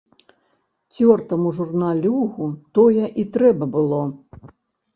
Цёртаму журналюгу тое і трэба было.